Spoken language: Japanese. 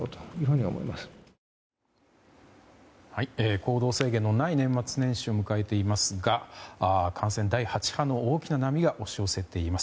行動制限のない年末年始を迎えていますが感染第８波の大きな波が押し寄せています。